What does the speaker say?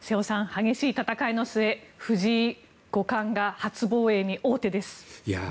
激しい戦いの末藤井五冠が初防衛に王手です。